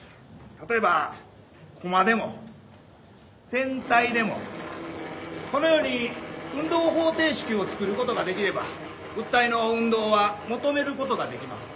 例えばコマでも天体でもこのように運動方程式を作ることができれば物体の運動は求めることができます。